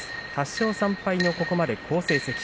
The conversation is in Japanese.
８勝３敗の、ここまで好成績。